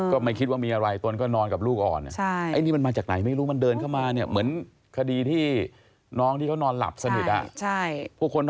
ก็ไม่คิดว่ามีอะไรตนก็นอนกับลูกอ่อน